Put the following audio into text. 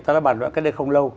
ta đã bàn loạn cách đây không lâu